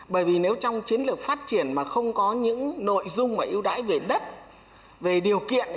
bởi vì nếu trong chiến lược phát triển mà không có những nội dung mà ưu đãi về đất về điều kiện